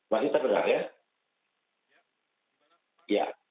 masih terdengar ya